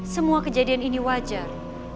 semua kejadian ini wajar